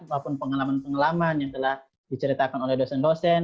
maupun pengalaman pengalaman yang telah diceritakan oleh dosen dosen